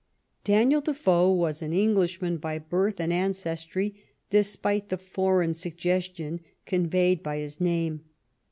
Daniel Defoe was an Englishman by birth and an cestry, despite the foreign suggestion conveyed by his name.